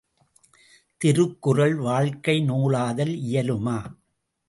திருக்குறள் வாழ்க்கை நூலாதல் இயலுமா?